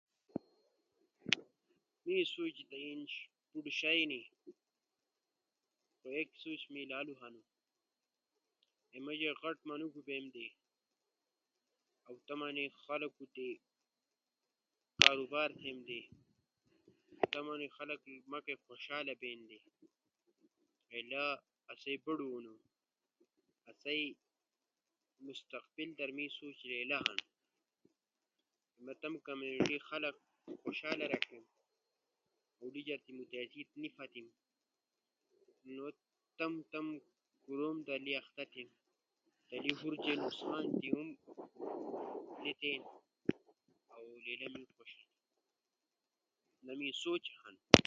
می سوچ تا بوٹی شیئی اینی خو ایک شیئی می لالو ہنو کے ما جے غت منوڙو بئیم دی اؤ تا ما نی خلقو تی کاروبار تھیم دے۔ ما تی تمو خلق خوشالا بین دے۔ لیلا اسئی بڑو ہنو۔ آسئی مستقبل کارا می سوچ لیلا ہنو۔ ما تمو کمیونٹی خلق کوشالا رݜیم۔ ہورے جا تی متازی تی نی پھتیم۔ نو لا تمو تمو کوروم دلے اختہ تھیم۔ لیلی ہور جے نقسان دے ہم نی تھیما۔ اؤ لیلا می خوش ہنی۔ می سوچ تھئیلا کے مستقبل در می ایک غورا نمائندا سپارا بجیم۔ خلقو خیزمت تھیم۔ تمو علاقہ در ترقی کوروم تھیم۔ ہسپتال سپاریم، اسکول سپاریم۔ کاروبار سپاریم سیس در غریبو خلقو مدد تھیم۔ تمو برو نوم اوچت تھیم۔ تمو کاندان خوشالا رݜیم۔ تمو بچو در تعلیم تھیم۔